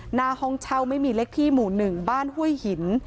หน้าห้องเช่าไม่มีเลขที่หมู่๑บ้านห้วยหิน